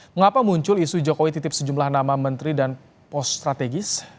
mengapa muncul isu jokowi titip sejumlah nama menteri dan pos strategis